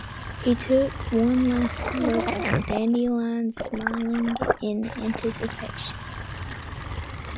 He took one last look at the dandelions, smiling in anticipation.